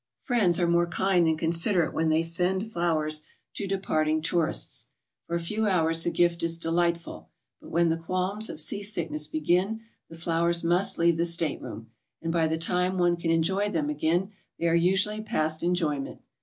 Friends are more kind than considerate when they send flowers to departing tourists. For a few hours the gift is delightful, but when the qualms of sea sickness begin, the flowers must leave the stateroom, and by the time one can enjoy them again they are usually past enjoyment.